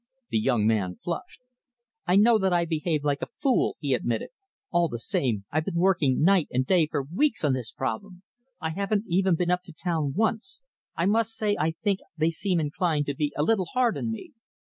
The young man flushed. "I know that I behaved like a fool," he admitted. "All the same, I've been working night and day for weeks on this problem. I haven't even been up to town once. I must say I think they seem inclined to be a little hard on me."